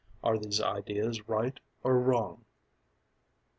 Are these ideas right or wrong?